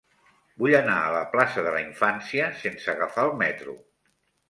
Vull anar a la plaça de la Infància sense agafar el metro.